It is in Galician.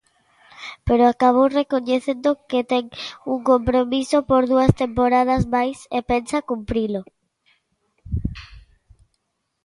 Pero acabou recoñecendo que ten un compromiso por dúas temporadas máis e pensa cumprilo.